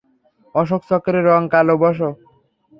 অশোক চক্রের রং কালো বসো।